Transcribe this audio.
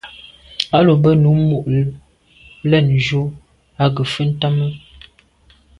A lo be num mo’ le’njù à nke mfe ntàne.